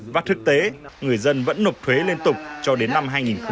và thực tế người dân vẫn nộp thuế liên tục cho đến năm hai nghìn chín